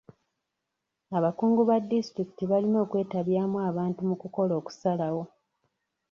Abakungu ba disitulikiti balina okwetabyamu abantu mu kukola okusalawo.